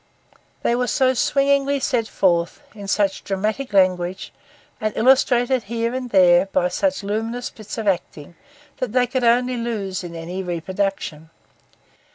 They were so swingingly set forth, in such dramatic language, and illustrated here and there by such luminous bits of acting, that they could only lose in any reproduction.